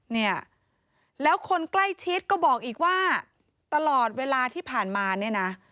เนี่ยแล้วคนใกล้ชิดก็บอกอีกว่าตลอดเวลาที่ผ่านมาเนี่ยนะ